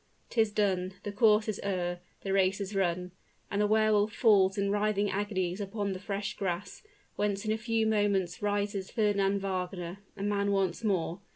'Tis done; the course is o'er the race is run; and the Wehr Wolf falls in writhing agonies upon the fresh grass, whence in a few moments rises Fernand Wagner a man once more!